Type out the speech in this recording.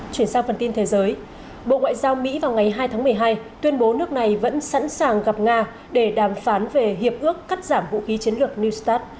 chuyển sang phần tin thế giới bộ ngoại giao mỹ vào ngày hai tháng một mươi hai tuyên bố nước này vẫn sẵn sàng gặp nga để đàm phán về hiệp ước cắt giảm vũ khí chiến lược new start